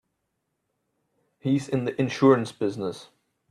He's in the insurance business.